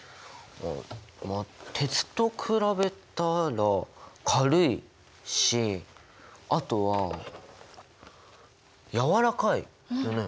まあ鉄と比べたら軽いしあとはやわらかいよね。